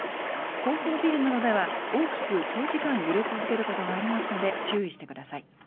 高層ビルなどでは大きく長時間揺れ続けることがありますので注意してください。